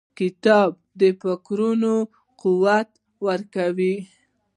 • کتابونه د فکرونو قوت ورکوي.